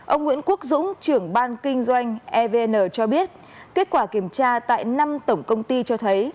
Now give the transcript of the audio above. ông nguyễn quốc dũng trưởng ban kinh doanh evn cho biết kết quả kiểm tra tại năm tổng công ty cho thấy